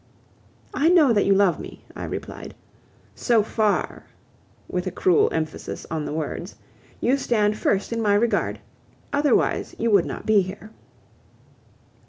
"I know that you love me," I replied. "So far," with a cruel emphasis on the words, "you stand first in my regard. Otherwise you would not be here."